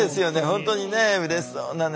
本当にねうれしそうなね。